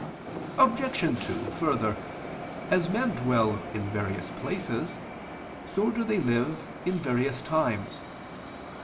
Obj. 2: Further, as men dwell in various places, so do they live in various times.